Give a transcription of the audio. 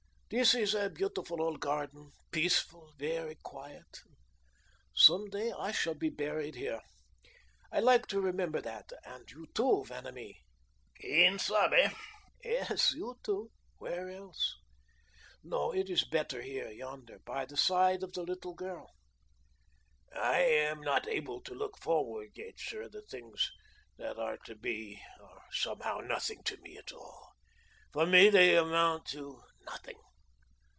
This is a beautiful old garden, peaceful, very quiet. Some day I shall be buried here. I like to remember that; and you, too, Vanamee." "Quien sabe?" "Yes, you, too. Where else? No, it is better here, yonder, by the side of the little girl." "I am not able to look forward yet, sir. The things that are to be are somehow nothing to me at all. For me they amount to nothing."